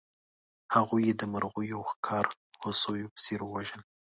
هغوی یې د مرغیو او ښکار هوسیو په څېر وژل.